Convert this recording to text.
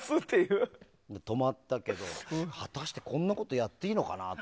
血は止まったけど果たしてこんなことやっていいのかな？って。